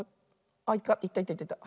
あっいったいったいった。